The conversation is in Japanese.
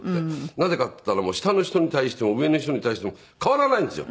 なぜかって言ったら下の人に対しても上の人に対しても変わらないんですよ。